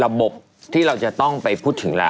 ระบบที่เราจะต้องไปพูดถึงเรา